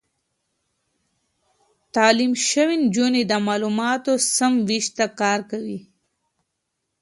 تعليم شوې نجونې د معلوماتو سم وېش ته کار کوي.